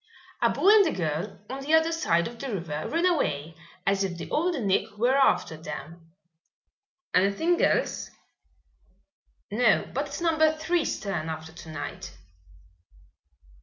"A boy and a girl on the other side of the river ran away as if the Old Nick were after them." "Anything else?" "No, but it's Number Three's turn after tonight."